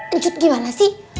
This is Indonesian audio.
ancut gimana sih